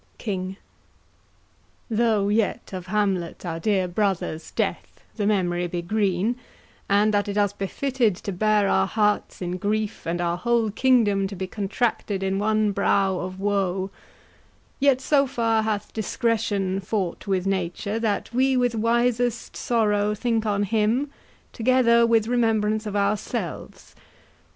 KING. Though yet of Hamlet our dear brother's death The memory be green, and that it us befitted To bear our hearts in grief, and our whole kingdom To be contracted in one brow of woe; Yet so far hath discretion fought with nature That we with wisest sorrow think on him, Together with remembrance of ourselves.